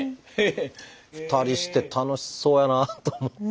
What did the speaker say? ２人して楽しそうやなと思って。